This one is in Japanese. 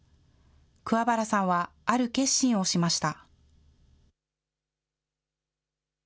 桑原さんは、ある決心をしました。